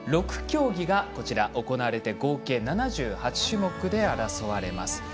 ６競技が行われて合計７８種目で争われます。